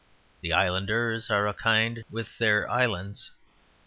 The islanders are of a kind with their islands.